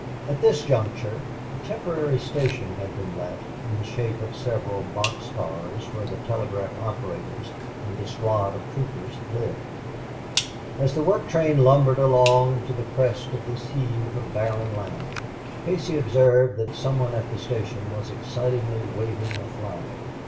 At this juncture a temporary station had been left in the shape of several box cars where the telegraph operators and a squad of troopers lived. As the work train lumbered along to the crest of this heave of barren land Casey observed that some one at the station was excitedly waving a flag.